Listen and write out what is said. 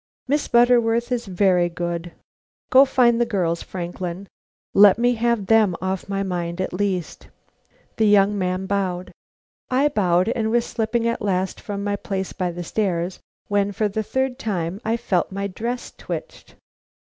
Miss Butterworth is very good; go find the girls, Franklin; let me have them off my mind, at least." The young man bowed. I bowed, and was slipping at last from my place by the stairs when, for the third time, I felt my dress twitched.